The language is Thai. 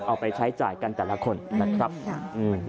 เอาไปใช้จ่ายกันแบบแต่ละคน